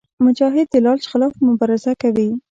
مجاهد د لالچ خلاف مبارزه کوي.